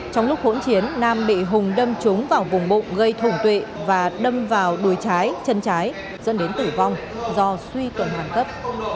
trong lúc hỗn chiến nam bị hùng đâm trúng vào vùng bụng gây thủng tuệ và đâm vào đuôi trái chân trái dẫn đến tử vong do suy tuần hoàn cấp